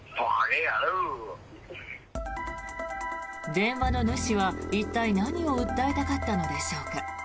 電話の主は一体、何を訴えたかったのでしょうか。